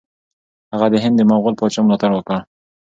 هغه د هند د مغول پاچا ملاتړ وکړ.